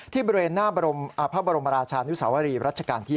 ที่บริเวณพระบรมราชานุสวรีรัชกาลที่๕